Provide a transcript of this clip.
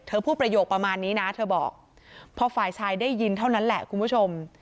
พูดประโยคประมาณนี้นะเธอบอกพอฝ่ายชายได้ยินเท่านั้นแหละคุณผู้ชม